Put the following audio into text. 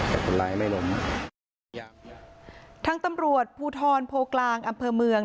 แต่คุณร้ายไม่ลมทั้งตำรวจผู้ทรโพกลางอำเภอเมือง